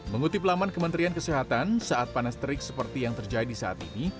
mengutip laman kementerian kesehatan saat panas terik seperti yang terjadi saat ini